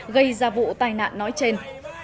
gây ra vụ tai nạn nói trên